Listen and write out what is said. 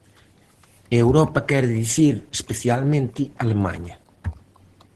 E Europa quere dicir, especialmente, Alemaña.